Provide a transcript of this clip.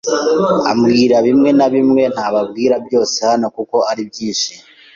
ambwira bimwe na bimwe ntababwira byose hano kuko ari byinshi,